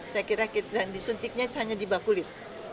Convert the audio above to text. saya kira disuntiknya hanya di bawah kulit